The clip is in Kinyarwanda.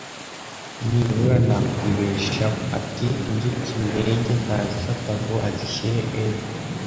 nibura nakwibeshaho!” Ati: “Inzuki Mirenge ntazifata ngo azishyire m